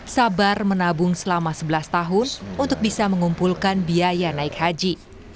sabar menabung selama sebelas tahun untuk bisa mengumpulkan biaya naik haji